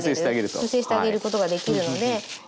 修正してあげることができるので。